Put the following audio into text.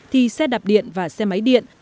thì xe đạp điện và xe máy điện